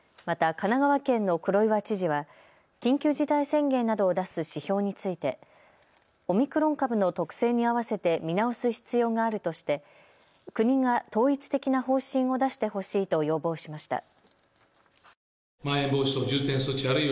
また神奈川県の黒岩知事は緊急事態宣言などを出す指標についてオミクロン株の特性に合わせて見直す必要があるとして国が統一的な方針を出してほしいと要望しました。